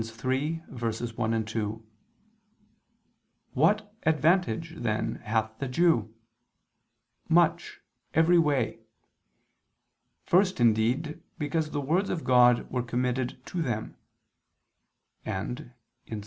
3:1, 2): "What advantage then hath the Jew? ... Much every way. First indeed, because the words of God were committed to them": and (Ps.